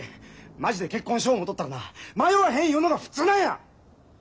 マジで結婚しよう思うとったらな迷わへんいうのが普通なんや！